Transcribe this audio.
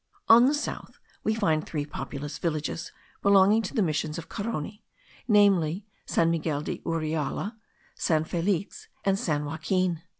On the south we find three populous villages belonging to the missions of Carony, namely, San Miguel de Uriala, San Felix and San Joaquin.